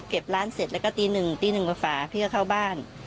ร้านเสร็จแล้วก็ตีหนึ่งตีหนึ่งกว่าฝาพี่ก็เข้าบ้าน